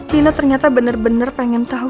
pina ternyata benar benar pengen tahu